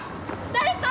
誰か！